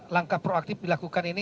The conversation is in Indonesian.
langkah proaktif dilakukan ini